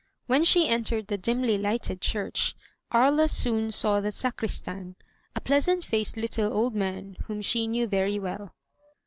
When she entered the dimly Ughted church, Aria soon saw the sacristan, a pleasant faced little old man whom she knew very well.